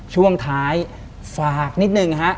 ช่วงท้ายฝากนิดนึงฮะ